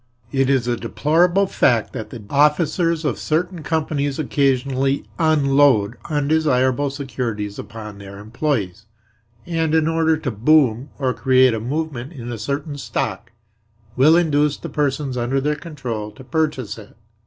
It is a deplorable fact that the officers of certain companies occasionally "unload" undesirable securities upon their employees, and, in order to boom or create a "movement" in a certain stock, will induce the persons under their control to purchase it.